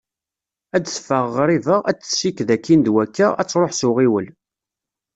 Ad d-teffeɣ ɣriba, ad tessiked akin d wakka, ad truḥ s uɣiwel.